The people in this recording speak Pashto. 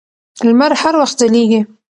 لمر هر وخت ځلېږي.